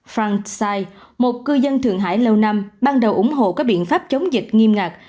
frank tsai một cư dân thượng hải lâu năm ban đầu ủng hộ các biện pháp chống dịch nghiêm ngạc